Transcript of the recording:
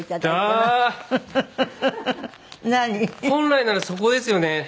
本来ならそこですよね？